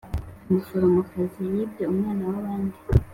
umuforomokazi yibye umwana wabandi